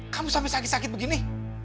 kamu sampai sakit sakit begini